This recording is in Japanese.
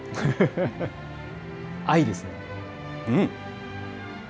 藍ですね。